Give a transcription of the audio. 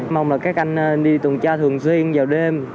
mong là các anh đi tuần tra thường xuyên vào đêm